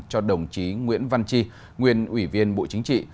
cho đồng chí nguyễn văn chi nguyên ủy viên bộ chính trị